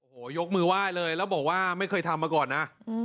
โอ้โหยกมือไหว้เลยแล้วบอกว่าไม่เคยทำมาก่อนนะ